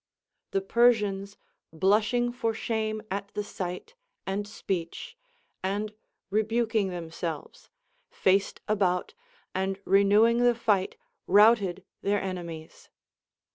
The Persians blushing for shame at the sia'ht and speech, and rebuking themselves, faced about, and renew ing the fight routed their enemies.